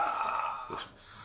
失礼します。